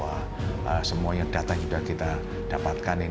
dan ini menjadi bagian daripada untuk pepulih untuk pemimpin untuk pemimpin